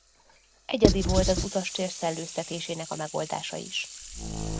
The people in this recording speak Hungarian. Egyedi volt az utastér szellőztetésének a megoldása is.